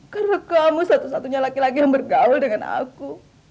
karena kamu satu satunya laki laki yang bertemu dengan aku